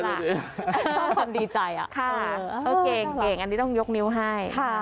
ต้องความดีใจอ่ะค่ะเก่งเก่งอันนี้ต้องยกนิ้วให้ค่ะ